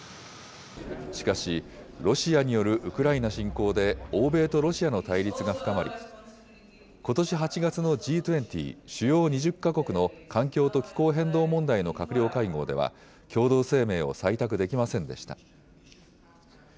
しかし、ロシアによるウクライナ侵攻で欧米とロシアの対立が深まり、ことし８月のＧ２０・主要２０か国の環境と気候変動問題の閣僚会合では、共同声明を採択できませんでした。